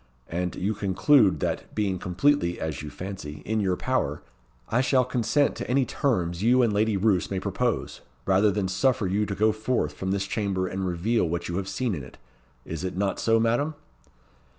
And you conclude that, being completely (as you fancy) in your power, I shall consent to any terms you and Lady Roos may propose, rather than suffer you to go forth from this chamber and reveal what you have seen in it. Is it not so, Madam?"